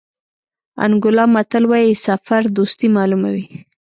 انګولا متل وایي سفر دوستي معلوموي.